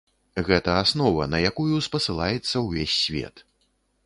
Гэта аснова, на якую спасылаецца ўвесь свет.